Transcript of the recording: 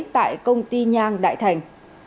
tại công ty nhang đại thành